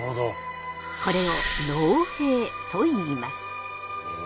これを農兵といいます。